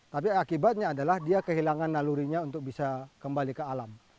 tapi akibatnya adalah dia kehilangan nalurinya untuk bisa kembali ke alam